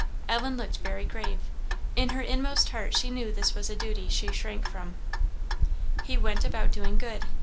Ellen looked very grave; in her inmost heart she knew this was a duty she shrank from. "He 'went about doing good.'